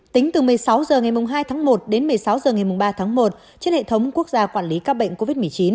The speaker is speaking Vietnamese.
tính từ một mươi sáu h ngày hai tháng một đến một mươi sáu h ngày ba tháng một trên hệ thống quốc gia quản lý các bệnh covid một mươi chín